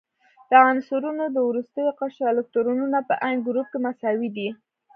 د عنصرونو د وروستي قشر الکترونونه په عین ګروپ کې مساوي دي.